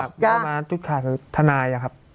พยานว่าฯมาที่จุดข่าคือธนายครับ